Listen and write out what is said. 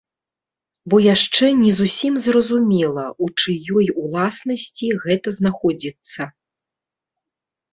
Бо яшчэ не зусім зразумела, у чыёй уласнасці гэта знаходзіцца.